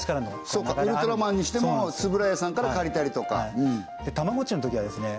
そっかウルトラマンにしても円谷さんから借りたりとかはいたまごっちのときはですね